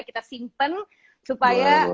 kita simpen supaya